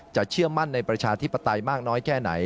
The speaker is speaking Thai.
เชื่อมั่นในประชาธิปไตยมากน้อยแค่ไหน